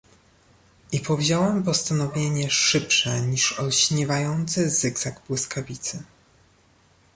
"I powziąłem postanowienie szybsze niż olśniewający zygzak błyskawicy."